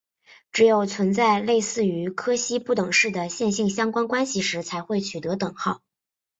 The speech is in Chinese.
只有存在类似于柯西不等式的线性相关关系时才会取得等号。